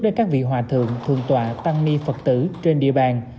đến các vị hòa thượng thượng tọa tăng ni phật tử trên địa bàn